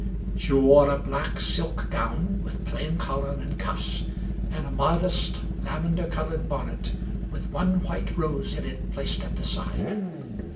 She wore a black silk gown, with plain collar and cuffs, and a modest lav ender colored bonnet, with one white rose in it placed at the side.